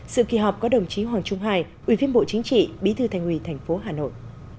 sự kỳ họp có đồng chí hoàng trung hải ubnd bí thư thành quỳ tp hà nội